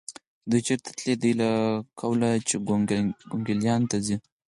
دوی چېرې تلې؟ د دې له قوله چې کونګلیانو ته ځي.